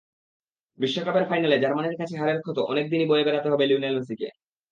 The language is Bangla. বিশ্বকাপের ফাইনালে জার্মানির কাছে হারের ক্ষত অনেক দিনই বয়ে বেড়াতে হবে লিওনেল মেসিকে।